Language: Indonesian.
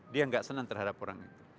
dia nggak senang terhadap orang itu